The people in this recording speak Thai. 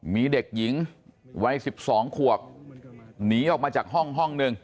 มีเด็กหญิงวัย๑๒ขวบหนีออกมาจากห้องหนึ่ง